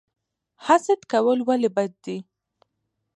حسد کول ولې بد دي؟